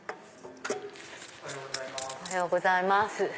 おはようございます。